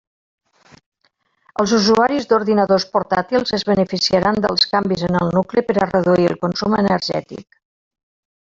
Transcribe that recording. Els usuaris d'ordinadors portàtils es beneficiaran dels canvis en el nucli per a reduir el consum energètic.